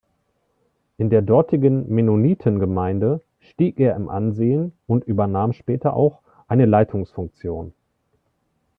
In der dortigen Mennonitengemeinde stieg er im Ansehen und übernahm später auch eine Leitungsfunktion.